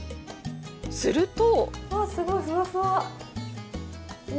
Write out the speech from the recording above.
すると。